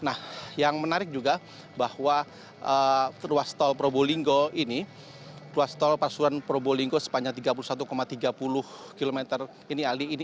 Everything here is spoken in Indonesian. nah yang menarik juga bahwa ruas tol probolinggo ini ruas tol pasuruan probolinggo sepanjang tiga puluh satu tiga puluh km ini aldi